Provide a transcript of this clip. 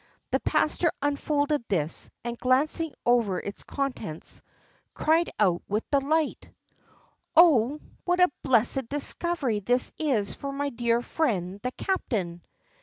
The pastor unfolded this, and glancing over its contents, cried out with delight, "Oh, what a blessed discovery this is for my dear friend the captain!"